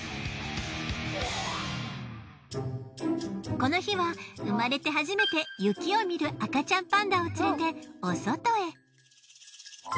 この日は生まれて初めて雪を見る赤ちゃんパンダを連れてお外へ。